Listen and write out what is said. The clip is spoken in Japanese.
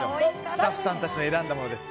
スタッフさんたちの選んだものです。